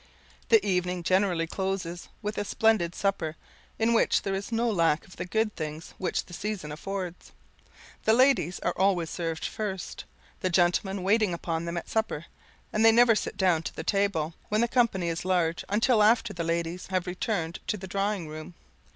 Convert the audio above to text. The evening generally closes with a splendid supper, in which there is no lack of the good things which the season affords. The ladies are always served first, the gentlemen waiting upon them at supper; and they never sit down to the table, when the company is large, until after the ladies have returned to the drawing room.